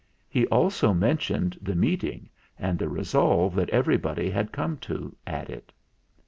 He also mentioned the Meeting, and the resolve that everybody had come to at it.